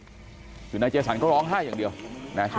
ช่วงนี้นายเจสันก็ร้องไห้อย่างเดียวนะคะ